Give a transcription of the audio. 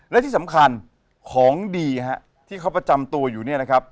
และที่สำคัญของดีที่เขาประจำตัวอยู่